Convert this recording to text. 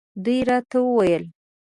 دوی راته وویل.